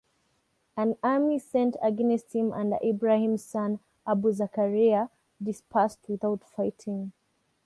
An army sent against him under Ibrahim’s son Abu Zakariya dispersed without fighting.